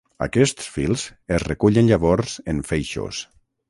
Aquests fils es recullen llavors en feixos.